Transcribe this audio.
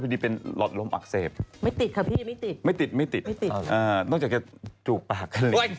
ไม่ติดไม่ติดต้องจะกระจูบปาก